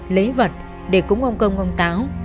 lấy vật để cúng ông công ông táo